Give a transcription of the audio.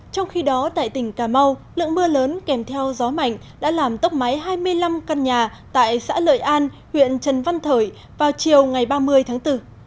trong khi đó tại tỉnh cà mau lượng mưa lớn kèm theo gió mạnh đã làm tốc máy hai mươi năm căn nhà tại xã lợi an huyện trần văn thởi vào chiều ngày ba mươi tháng bốn